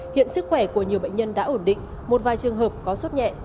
hiện sức khỏe của nhiều bệnh nhân đã ổn định một vài trường hợp có suốt nhẹ